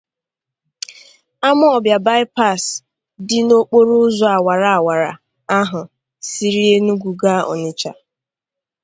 Amawbịa By-pass dị n'okporo ụzọ awara-awara ahụ siri Enugu Gaa Ọnịtsha.